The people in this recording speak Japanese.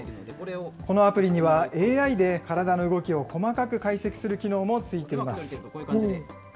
このアプリには、ＡＩで体の動きを細かく解析する機能もついています。